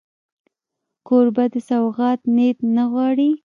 کوربه د سوغات نیت نه غواړي.